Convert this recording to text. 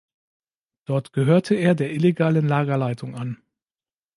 Dort gehörte er der illegalen Lagerleitung an.